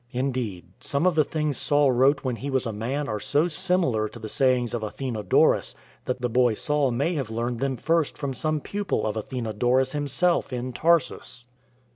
In deed, some of the things Saul wrote when he was a man are so similar to the sayings of Athenodorus that the boy Saul may have learned them first from some pupil of Athenodorus himself in Tarsus.